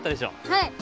はい！